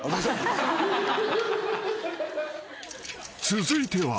［続いては］